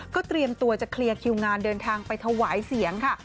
เตรียมตัวจะเคลียร์คิวงานเดินทางไปถวายเสียงค่ะ